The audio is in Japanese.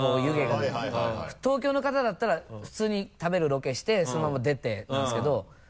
東京の方だったら普通に食べるロケしてそのまま出てなんですけど。